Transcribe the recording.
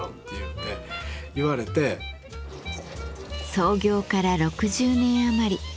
創業から６０年余り。